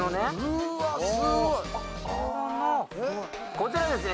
こちらですね